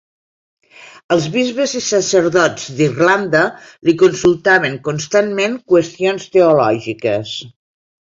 Els bisbes i sacerdots d'Irlanda li consultaven constantment qüestions teològiques.